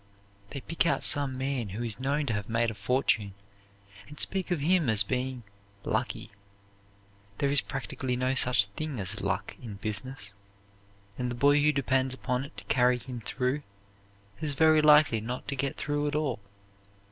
They pick out some man who is known to have made a fortune and speak of him as being 'lucky.' There is practically no such thing as luck in business, and the boy who depends upon it to carry him through is very likely not to get through at all.